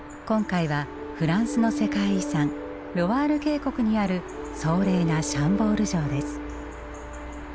今回はフランスの世界遺産ロワール渓谷にある壮麗なシャンボール城です。